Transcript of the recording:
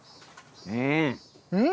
うん！